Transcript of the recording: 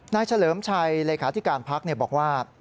เฉลิมชัยเลขาธิการพักบอกว่า